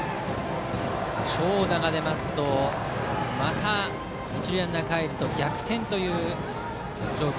長打が出ますと一塁ランナーがかえると逆転という状況。